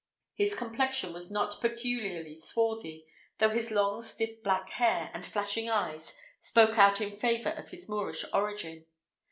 His complexion was not peculiarly swarthy, though his long stiff black hair, and flashing eyes, spoke out in favour of his Moorish origin.